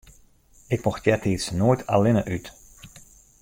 Ik mocht eartiids noait allinne út.